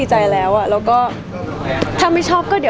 แต่จริงแล้วเขาก็ไม่ได้กลิ่นกันว่าถ้าเราจะมีเพลงไทยก็ได้